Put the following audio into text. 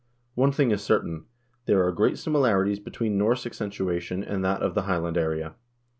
... One thing is certain : there are great similarities between Norse accentuation and that of the Highland area.